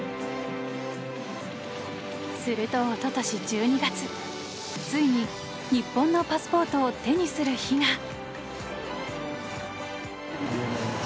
すると、おととし１２月ついに日本のパスポートを手にする日が。